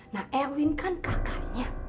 nah erwin kan kakaknya